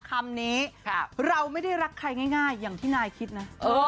คำนี้เราไม่ได้รักใครง่ายอย่างที่นายคิดนะ